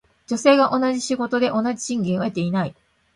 女性が同じ仕事で同じ賃金を得ていない。